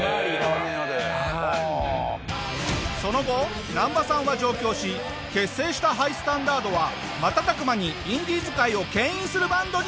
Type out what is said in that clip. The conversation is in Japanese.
その後ナンバさんは上京し結成したＨｉ−ＳＴＡＮＤＡＲＤは瞬く間にインディーズ界を牽引するバンドに。